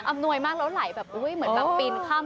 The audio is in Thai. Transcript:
อำนวยมากแล้วไหลแบบที่แปะปีนค่ำตัวค้าบ้าน